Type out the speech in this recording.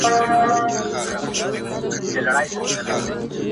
رباب به وي ترنګ به پردی وي آدم خان به نه وي،